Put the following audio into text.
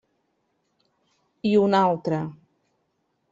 I un altre.